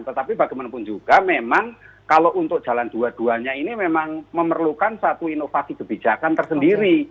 tetapi bagaimanapun juga memang kalau untuk jalan dua duanya ini memang memerlukan satu inovasi kebijakan tersendiri